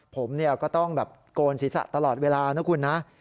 ผมก็ต้องแบบโกนศีรษะตลอดเวลานะคุณนะ